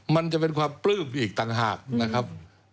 มันจะเป็นความปลื้มอีกต่างหากนะครับ